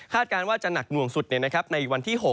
การว่าจะหนักหน่วงสุดในวันที่๖